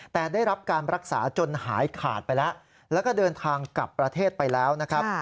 แต่ได้รับการรักษาจนหายขาดไปแล้วแล้วก็เดินทางกลับประเทศไปแล้วนะครับ